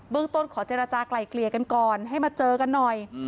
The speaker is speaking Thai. ต้นขอเจรจากลายเกลี่ยกันก่อนให้มาเจอกันหน่อย